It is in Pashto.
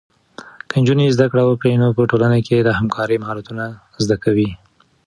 که نجونې زده کړه وکړي، نو په ټولنه کې د همکارۍ مهارتونه زده کوي.